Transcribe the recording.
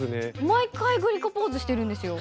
毎回グリコポーズしてるんですよ。